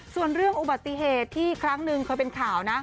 ส่วนเรื่องอุบัติเหตุที่ครั้งหนึ่งเคยเป็นข่าวนะ